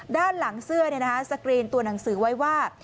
ด้านหลังเสื้อสกรีนตัวหนังสือไว้ว่า